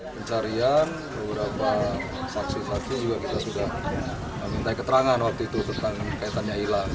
pencarian beberapa saksi saksi juga kita sudah minta keterangan waktu itu tentang kaitannya hilang